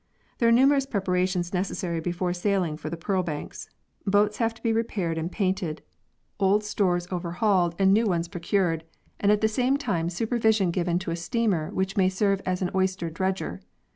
There are numerous preparations necessary before sailing for the pearl banks. Boats have to be re paired and painted, old stores overhauled and new 74 PEARLS [CH. ones procured, and at the same time supervision given to a steamer which may serve as an oyster dredger.